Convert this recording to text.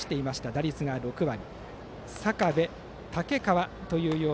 打率が６割。